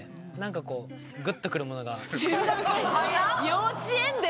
幼稚園で？